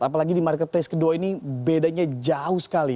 apalagi di marketplace kedua ini bedanya jauh sekali